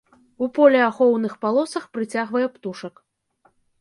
У полеахоўных палосах прыцягвае птушак.